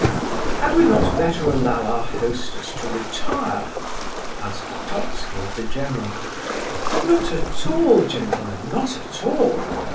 "Had we not better allow our hostess to retire?" asked Totski of the general. "Not at all, gentlemen, not at all!